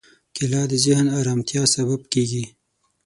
کېله د ذهني ارامتیا سبب کېږي.